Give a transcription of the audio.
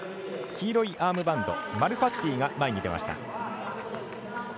黄色いアームバンドマルファッティが前に出ました。